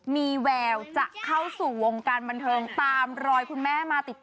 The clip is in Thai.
มีแววจะเข้าสู่วงการบันเทิงตามรอยคุณแม่มาติดต่อ